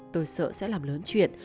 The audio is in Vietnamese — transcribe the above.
tôi sợ sẽ làm lớn chuyện